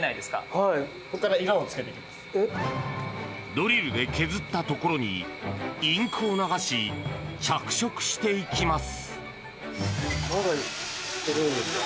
ドリルで削ったところにインクを流し着色していきます。